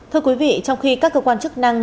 thưa quý vị trong khi các cơ quan chức năng